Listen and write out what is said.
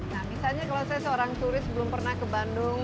nah misalnya kalau saya seorang turis belum pernah ke bandung